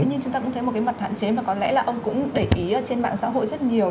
nhưng chúng ta cũng thấy một cái mặt hạn chế mà có lẽ là ông cũng để ý trên mạng xã hội rất nhiều